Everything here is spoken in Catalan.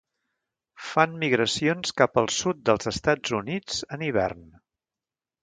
Fan migracions cap al sud dels Estats Units en hivern.